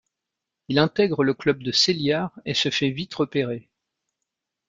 Il intègre le club de Celiar et se fait vite repérer.